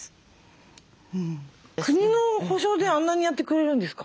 国の保障であんなにやってくれるんですか？